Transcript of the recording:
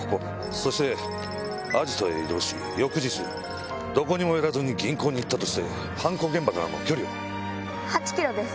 そしてアジトへ移動し翌日どこにも寄らずに銀行に行ったとして犯行現場からの距離は？